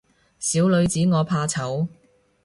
小女子我怕醜